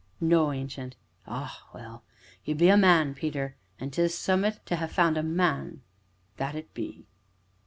"No, Ancient." "Ah, well! you be a man, Peter, an' 'tis summ'at to ha' found a man that it be."